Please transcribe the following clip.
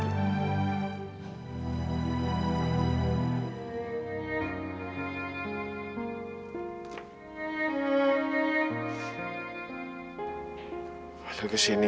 kak fadil kesini